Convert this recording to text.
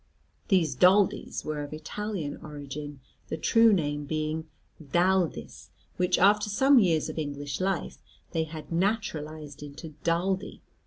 These Daldys were of Italian origin, the true name being D'Aldis, which after some years of English life they had naturalised into Daldy.